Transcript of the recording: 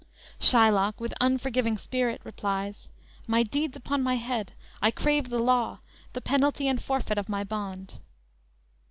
"_ Shylock, with unforgiving spirit, replies: _"My deeds upon my head! I crave the law, The penalty and forfeit of my bond!"